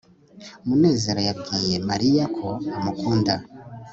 munezero yabwiye mariya ko amukunda